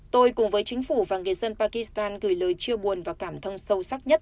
tôi cùng với chính phủ và người dân pakistan gửi lời chia buồn và cảm thông sâu sắc nhất